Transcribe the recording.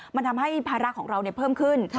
มันทำให้ภาระของเราเพิ่มขึ้น